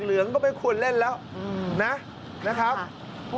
เหลืองก็เป็นคนเล่นแล้วนะครับ